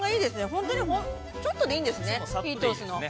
本当に、ちょっとでいいんですね、火通すの。